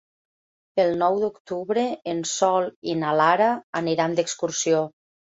El nou d'octubre en Sol i na Lara aniran d'excursió.